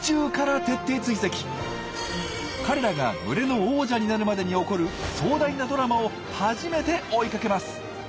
彼らが群れの王者になるまでに起こる壮大なドラマを初めて追いかけます！